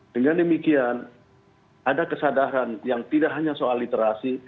dengan demikian ada kesadaran yang tidak hanya soal literasi